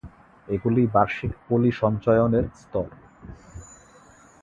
এগুলি বার্ষিক পলি সঞ্চয়নের স্তর।